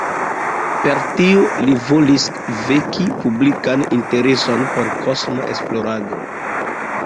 Per tio li volis veki publikan intereson por kosma esplorado.